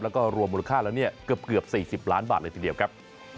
แล้วก็รวมมูลค่าแล้วเนี่ยเกือบ๔๐ล้านบาทเลยทีเดียวครับ